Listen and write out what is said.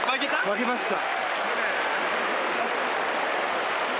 負けました。